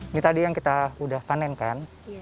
ini tadi yang kita udah panen kan